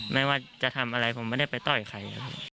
ไม่ว่าจะทำอะไรผมไม่ได้ไปต่อยใครครับ